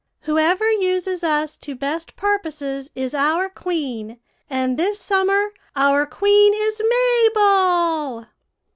Whoever uses us to best purposes is our queen; and this summer our queen is Mabel.'